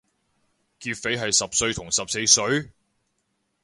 劫匪係十歲同十四歲？